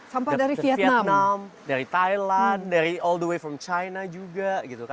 sampah dari vietnam dari thailand dari all the wave of china juga